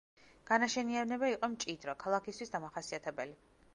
განაშენიანება იყო მჭიდრო, ქალაქისთვის დამახასიათებელი.